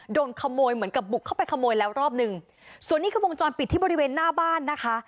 โดนขโมยเหมือนกับบุกเข้าไปขโมยแล้วรอบหนึ่งส่วนนี้คือวงจรปิดที่บริเวณหน้าบ้านนะคะ